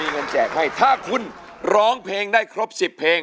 กว่าจะจบรายการเนี่ย๔ทุ่มมาก